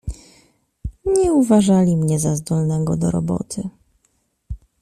"Nie uważali mnie za zdolnego do roboty."